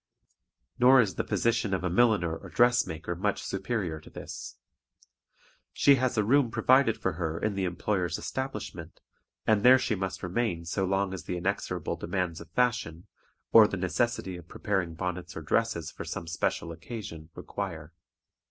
Nor is the position of a milliner or dress maker much superior to this. She has a room provided for her in the employer's establishment, and there she must remain so long as the inexorable demands of fashion, or the necessity of preparing bonnets or dresses for some special occasion require.